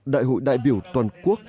đại hội đại biểu toàn quốc